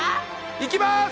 いきます。